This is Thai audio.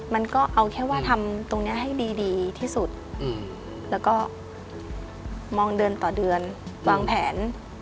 มันก็เอาแค่ว่าทำตรงนี้ให้ดีที่สุดแล้วก็มองเดือนต่อเดือนวางแผน